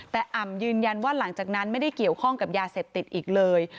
แต่อ่ำยืนยันว่าหลังจากนั้นไม่ได้เกี่ยวข้องกับยาเสพติดอีกเลย